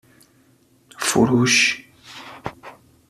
فروش